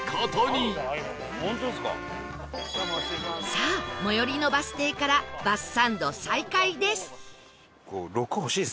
さあ最寄りのバス停からバスサンド再開です